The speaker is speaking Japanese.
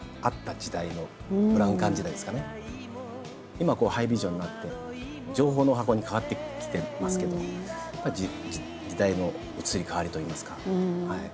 今こうハイビジョンになって情報の箱に変わってきてますけどやっぱり時代の移り変わりといいますかはい。